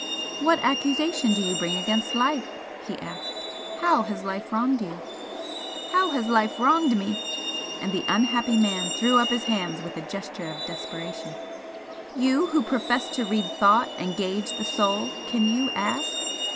"What accusation do you bring against life?" he asked "How has life wronged you?" "How has life wronged me?" and the unhappy man threw up his hands with a gesture of desperation "You, who profess to read thought and gauge the soul, can you ask?